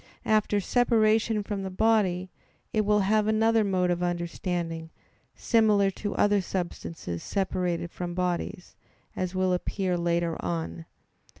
After separation from the body it will have another mode of understanding, similar to other substances separated from bodies, as will appear later on (Q.